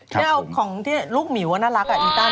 นี่เอาของที่ลูกหมิวน่ารักอ่ะอีตัน